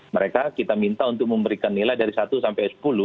mereka kita minta untuk memberikan nilai dari satu sampai sepuluh